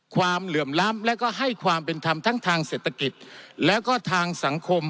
เหลื่อมล้ำและก็ให้ความเป็นธรรมทั้งทางเศรษฐกิจแล้วก็ทางสังคม